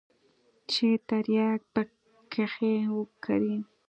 چې ترياک پکښې وکري.